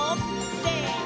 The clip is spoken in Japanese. せの！